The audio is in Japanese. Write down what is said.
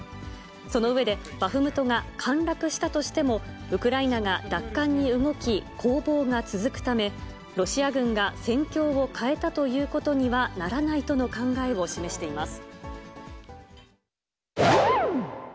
その上で、バフムトが陥落したとしても、ウクライナが奪還に動き攻防が続くため、ロシア軍が戦況を変えたということにはならないとの考えを示しています。